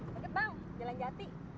deket bang jalan jati